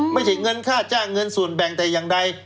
ไม่ใช่เงินค่าจ้างเงินส่วนแบ่งแต่อย่างใด